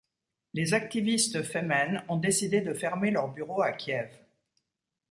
Les activistes Femen ont décidé de fermer leur bureau à Kiev.